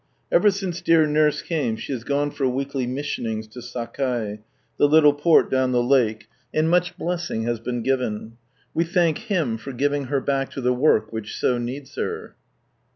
Ever since dear Nurse came she has gone for weekly missionings to Sakai, the little port down the lake, and much blessing has been given. We thank Him for giving her back to the work which so needs her!